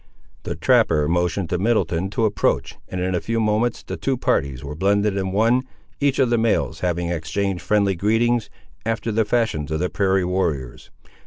The trapper motioned to Middleton to approach, and in a few moments the two parties were blended in one, each of the males having exchanged friendly greetings, after the fashions of the prairie warriors.